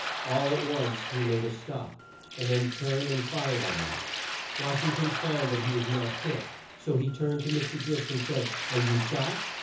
All at once he made a stop, and then turned and fired on them. Wash ing ton found that he was not hit, so he turned to Mr. Gist, and said, "Are you shot?"